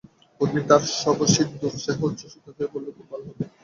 ঊর্মি তার স্বভাবসিদ্ধ উৎসাহে উচ্ছ্বসিত হয়ে বললে, খুব ভালো হবে।